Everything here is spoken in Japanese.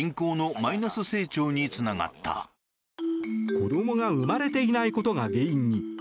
子どもが生まれていないことが原因に。